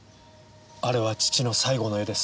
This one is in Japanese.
あれは父の最後の絵です。